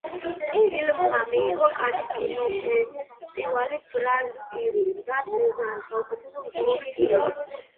ფილმმა მიიღო კანის კინოფესტივალის გრან პრი და სეზარი საუკეთესო უცხოური ფილმისთვის.